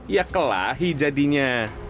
ya kelahi jadinya